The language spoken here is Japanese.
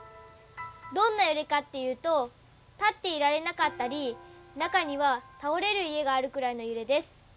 どんなゆれかっていうと立っていられなかったり中には倒れる家があるくらいのゆれです。